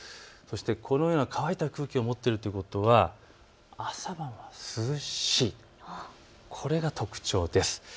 このような乾いた空気を持っているということは朝晩は涼しい、これが特長です。